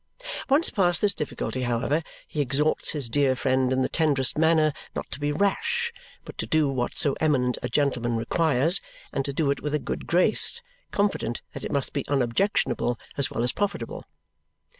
Once past this difficulty, however, he exhorts his dear friend in the tenderest manner not to be rash, but to do what so eminent a gentleman requires, and to do it with a good grace, confident that it must be unobjectionable as well as profitable.